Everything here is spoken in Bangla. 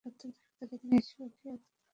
সত্তরের দশক থেকেই তিনি এই প্রক্রিয়া শুরু করেন।